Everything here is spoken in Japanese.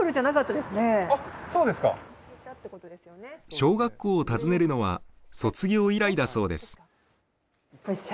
小学校を訪ねるのは卒業以来だそうです。